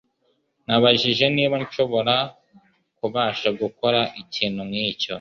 Nibajije niba nshobora kubasha gukora ikintu nkicyo.